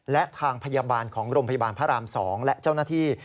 และทางพยาบาลของโรงพยาบาลพระราม๒และเจ้าหน้าที่